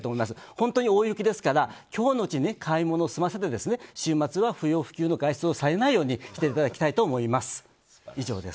本当に大雪ですから今日のうちに買い物を済ませて週末は不要不急の外出をされないようにしていただきたいと思います。